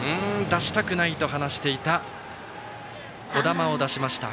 出したくないと話していた樹神を出しました。